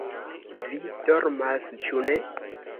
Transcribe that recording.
vi dormas, ĉu ne?